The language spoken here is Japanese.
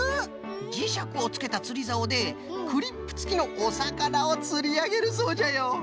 じしゃくをつけたつりざおでクリップつきのおさかなをつりあげるそうじゃよ。